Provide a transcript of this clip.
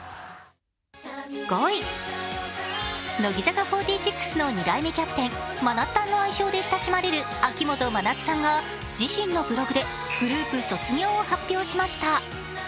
５位、乃木坂４６の２代目キャプテンまなったんの愛称で親しまれる秋元真夏さんが自身のブログでグループ卒業を発表しました。